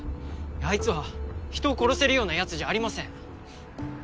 アイツは人を殺せるようなヤツじゃありません。